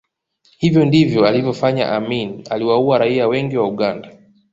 Hivyo ndivyo alivyofanya Amin aliwaua raia wengi wa Uganda